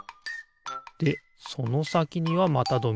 でそのさきにはまたドミノ。